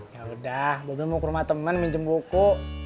ya udah bobi mau ke rumah temen minjem buku